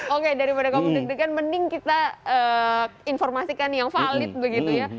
oke daripada kamu deg degan mending kita informasikan yang valid begitu ya